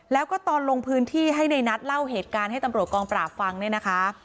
แล้วก็ตอนลงพื้นที่ให้ในนัทเล่าเหตุการณ์ให้ตำรวจกองปราบฟังเนี่ยนะคะ